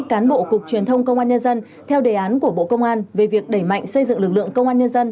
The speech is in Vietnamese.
cán bộ cục truyền thông công an nhân dân theo đề án của bộ công an về việc đẩy mạnh xây dựng lực lượng công an nhân dân